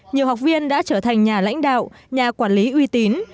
nhiều học viên đã trở thành nhà lãnh đạo nhà quản lý uy tín